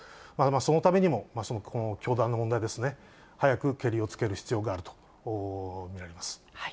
そのためにも、その教団の問題ですね、早くけりをつける必要があると見られます。